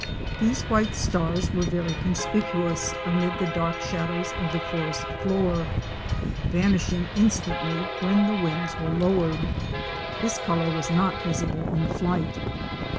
These white stars were very conspicuous amid the dark shadows of the forest floor, vanishing instantly when the wings were lowered. This color was not visible in flight.